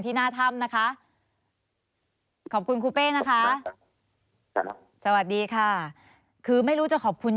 หน้าถ้ำนะคะขอบคุณครูเป้นะคะสวัสดีค่ะคือไม่รู้จะขอบคุณ